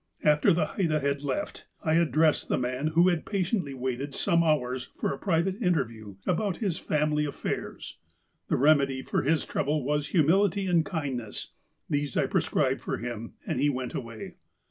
After the Haida had left, I addressed the man who had patiently waited some hours for a private interview about his family af fairs. The remedy for his trouble was humility and kindness. These I prescribed for him, and he went away.